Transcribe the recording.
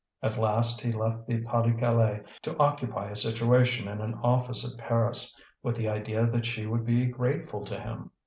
At last he left the Pas de Calais to occupy a situation in an office at Paris, with the idea that she would be grateful to him.